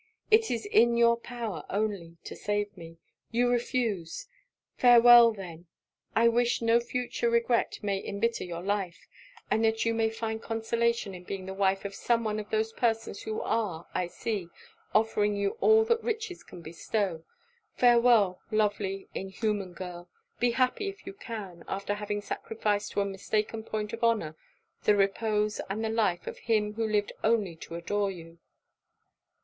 It is in your power only to save me You refuse farewel, then I wish no future regret may embitter your life, and that you may find consolation in being the wife of some one of those persons who are, I see, offering you all that riches can bestow. Farewel, lovely, inhuman girl! be happy if you can after having sacrificed to a mistaken point of honour, the repose and the life of him who lived only to adore you.'